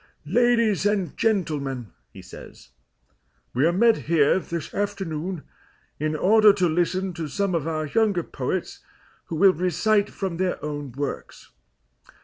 "Ladies and gentlemen," he says, "we are met here this afternoon in order to listen to some of our younger poets who will recite from their own works.